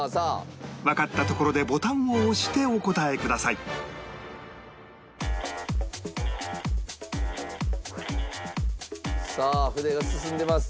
わかったところでボタンを押してお答えくださいさあ筆が進んでます。